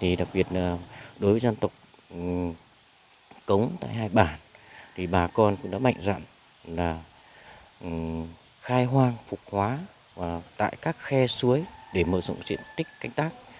thì đặc biệt là đối với dân tộc cống tại hai bản thì bà con cũng đã mạnh dặn là khai hoang phục hóa tại các khe suối để mở rộng diện tích canh tác